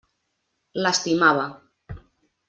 L'estimava.